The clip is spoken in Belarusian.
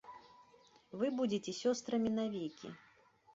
Вы будзеце сёстрамі навекі.